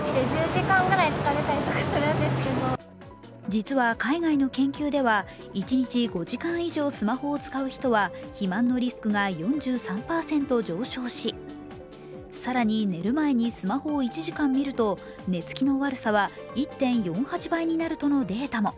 実は海外の研究では１日５時間以上スマホを使う人は肥満のリスクが４３％上昇し更に寝る前にスマホを１時間見ると寝つきの悪さは１．４８倍になるとのデータも。